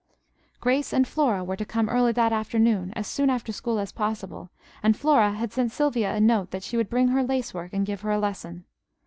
Grace and Flora were to come early that afternoon, as soon after school as possible, and Flora had sent Sylvia a note that she would bring her lace work and give her a lesson.